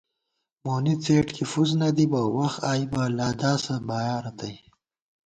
مونی څېڈ کی فُسنَدِبہ وَخ آئیبہ لَداسہ بایا رتئ